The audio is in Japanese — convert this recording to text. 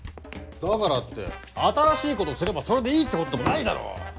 だからって新しいことすればそれでいいってことでもないだろう！